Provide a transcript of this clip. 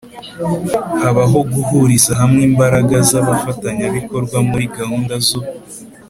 habaho guhuriza hamwe imbaraga z abafatanyabikorwa muri gahunda zo